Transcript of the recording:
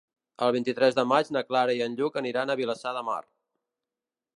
El vint-i-tres de maig na Clara i en Lluc aniran a Vilassar de Mar.